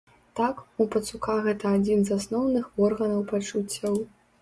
Так, у пацука гэта адзін з асноўных органаў пачуццяў.